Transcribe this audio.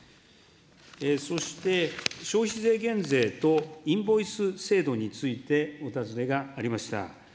そして、消費税減税とインボイス制度についてお尋ねがありました。